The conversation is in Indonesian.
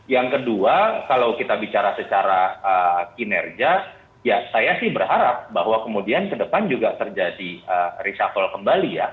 yang kedua kalau kita bicara secara kinerja ya saya sih berharap bahwa kemudian ke depan juga terjadi reshuffle kembali ya